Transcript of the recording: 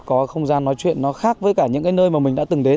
có không gian nói chuyện khác với cả những nơi mà mình đã từng đến